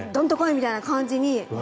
みたいな感じに。